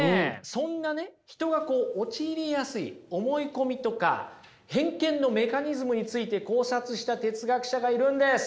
そんなね人が陥りやすい思い込みとか偏見のメカニズムについて考察した哲学者がいるんです。